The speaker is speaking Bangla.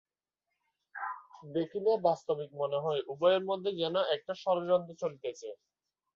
দেখিলে বাস্তবিক মনে হয়, উভয়ের মধ্যে যেন একটা ষড়যন্ত্র চলিতেছে।